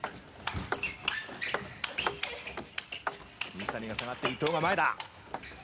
水谷が下がって伊藤が前だ。